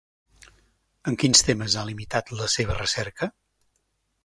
En quins temes ha limitat la seva recerca?